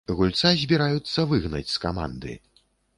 Гульца збіраюцца выгнаць з каманды.